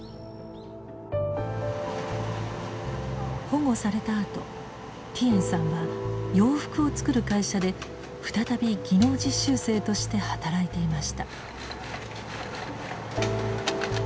保護されたあとティエンさんは洋服を作る会社で再び技能実習生として働いていました。